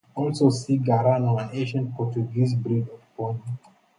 Also, see garrano, an ancient Portuguese breed of pony.